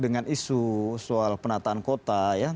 dengan isu soal penataan kota ya